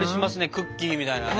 クッキーみたいなね。